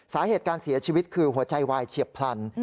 สาเหตุการเสียชีวิตคือหัวใจวายเฉียบพลัน